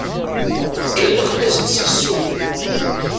Kellxen-as-d si ssuq.